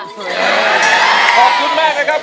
ขอบคุณมากนะครับคุณน้ำทิพย์นะครับ